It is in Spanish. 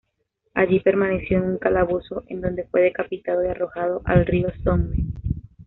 Allí permaneció en un calabozo en donde fue decapitado y arrojado al río Somme.